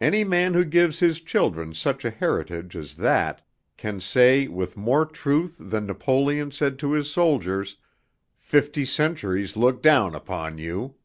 Any man who gives his children such a heritage as that can say with more truth than Napoleon said to his soldiers, 'Fifty centuries look down upon you.'